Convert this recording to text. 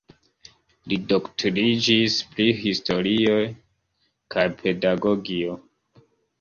Li doktoriĝis pri historio kaj pedagogio.